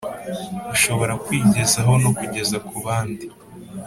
ushobora kwigezaho no kugeza ku bandi